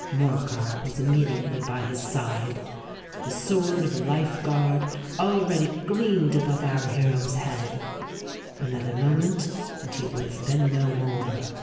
Morcar was immediately by his side: the sword of a Life Guard already gleamed above our hero's head—another moment, and he would have been no more.